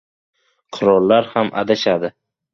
• Qirollar ham adashadi.